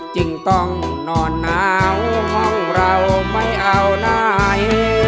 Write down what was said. จึงต้องนอนหนาวห้องเราไม่เอาไหน